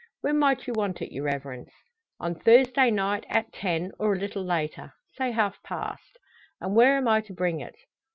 "When might you want it, your Reverence?" "On Thursday night, at ten, or a little later say half past." "And where am I to bring it?"